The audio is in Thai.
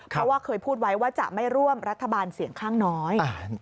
เพราะว่าเคยพูดไว้ว่าจะไม่ร่วมรัฐบาลเสียงข้างน้อย